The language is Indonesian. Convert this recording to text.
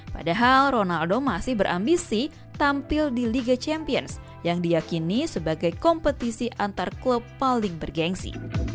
padahal ronaldo masih berambisi tampil di liga champions yang diakini sebagai kompetisi antar klub paling bergensi